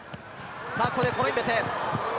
ここでコロインベテ。